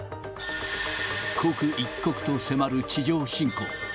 刻一刻と迫る地上侵攻。